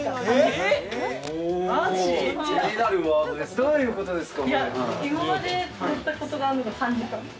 どういうことですか？